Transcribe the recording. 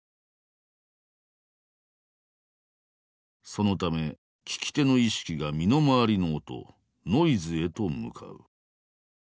そのため聴き手の意識が身の回りの音ノイズへと向かう。